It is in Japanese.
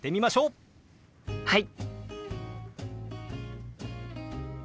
はい！